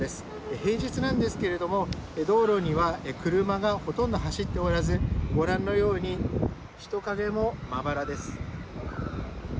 平日なんですけれども道路には車がほとんど走っておらずご覧のように人影もまばらです。